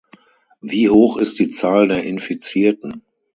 Wie hoch ist die Zahl der Infizierten?